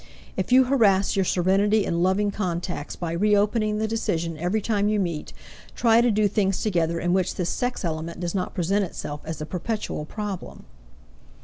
If you harass your serenity and loving contacts by reopening the decision every time you meet, try to do things together in which this sex element does not present itself as a perpetual problem.